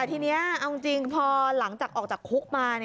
แต่ทีนี้เอาจริงพอหลังจากออกจากคุกมา